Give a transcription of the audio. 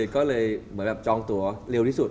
ก็เลยจองตัวเร็วที่สุด